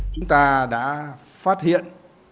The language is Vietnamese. chúng ta đã phát hiện